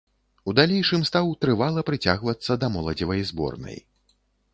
У далейшым стаў трывала прыцягвацца да моладзевай зборнай.